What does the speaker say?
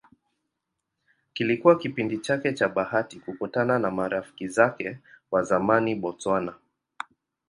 Kilikuwa kipindi chake cha bahati kukutana na marafiki zake wa zamani Bw.